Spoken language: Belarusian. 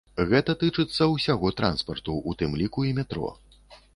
Гэта тычыцца ўсяго транспарту, у тым ліку і метро.